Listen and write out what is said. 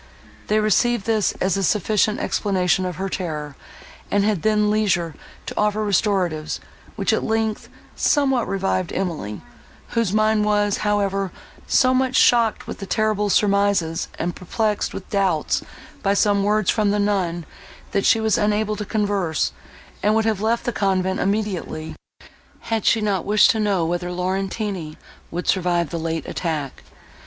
They received this as a sufficient explanation of her terror, and had then leisure to offer restoratives, which, at length, somewhat revived Emily, whose mind was, however, so much shocked with the terrible surmises, and perplexed with doubts by some words from the nun, that she was unable to converse, and would have left the convent immediately, had she not wished to know whether Laurentini would survive the late attack.